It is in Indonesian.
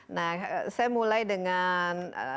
nah saya mulai dengan